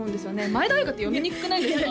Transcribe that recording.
前田鮎花って読みにくくないですか？